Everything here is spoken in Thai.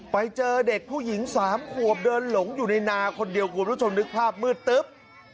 ไปเจอเด็กผู้หญิง๓ขวบเดินหลงอยู่ในนาคนเดียวคุณผู้ชมนึกภาพมืดตึ๊บ